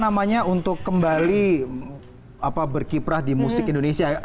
namanya untuk kembali berkiprah di musik indonesia